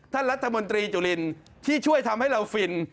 ท่านรัฐมนตรีจุลินที่ช่วยทำให้เราฟิน